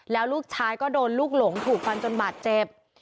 แล้วลูกชายก็โดนลูกหลงถูกฟันจนบาดเจ็บ